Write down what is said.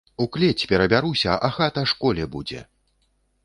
У клець перабяруся, а хата школе будзе!